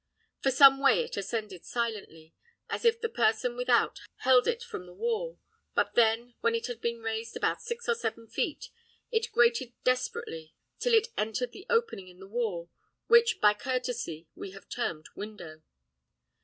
For some way it ascended silently, as if a person without held it from the wall; but then, when it had been raised about six or seven feet, it grated desperately till it entered the opening in the wall, which by courtesy we have termed window.